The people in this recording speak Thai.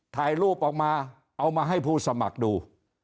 ถ่ายรูปออกมาเอามาให้ผู้สมัครดู